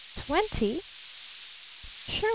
Twenty?" "Sure!"